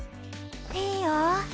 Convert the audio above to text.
いいよ！